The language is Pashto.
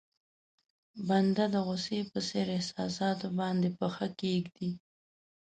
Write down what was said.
بنده د غوسې په څېر احساساتو باندې پښه کېږدي.